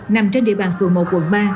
nằm trên địa bàn phường một quận ba